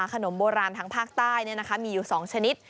ขนมโบราณทางภาคใต้เนี่ยนะคะมีอยู่๒ชนิด